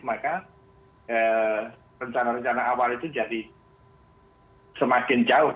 maka rencana rencana awal itu jadi semakin jauh